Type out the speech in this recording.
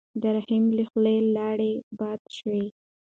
د رحیم له خولې لاړې باد شوې.